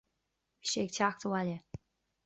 Bhí sé ag teacht abhaile